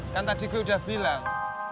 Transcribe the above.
kan tadi gue udah bilang